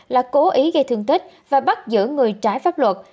là cố ý gây thương tích và bắt giữ người trái pháp luật